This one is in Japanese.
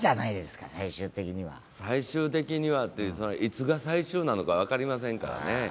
最終的にはって、いつが最終なのか分かりませんからね。